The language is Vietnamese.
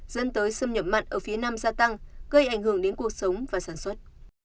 dẫn tới xâm nhập mặn ở phía nam gia tăng gây ảnh hưởng đến cuộc sống và sản xuất